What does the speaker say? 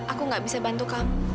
aku gak bisa bantu kamu